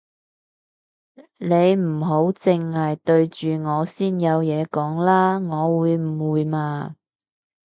你唔好剩係對住我先有嘢講啦，我會誤會嘛